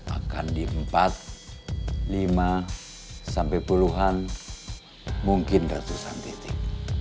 akan di empat lima sampai puluhan mungkin ratusan titik